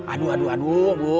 aduh aduh aduh bu